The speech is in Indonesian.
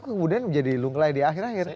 kemudian menjadi lungkelai di akhir akhir